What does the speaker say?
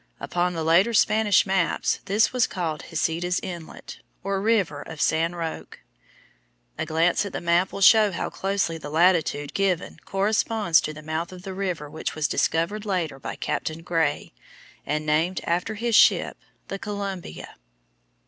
Upon the later Spanish maps this was called Heceta's Inlet, or River of San Roque. A glance at the map will show how closely the latitude given corresponds to the mouth of the river which was discovered later by Captain Gray and named, after his ship, the Columbia.